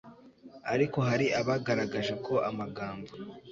ariko hari abagaragaje ko amagambo